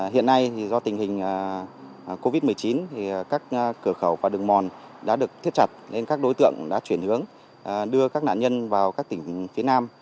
hiện nay do tình hình covid một mươi chín các cửa khẩu và đường mòn đã được thiết chặt nên các đối tượng đã chuyển hướng đưa các nạn nhân vào các tỉnh phía nam